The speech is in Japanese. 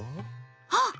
あっ！